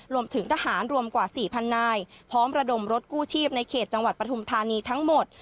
รวมถึงทหารรวมกว่า๔๐๐นายพร้อมระดมรถกู้ชีพในเขตจังหวัดปฐุมธานีทั้งหมด